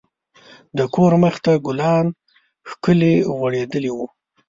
د کور مخ ته ګلان ښکلي غوړیدلي وو.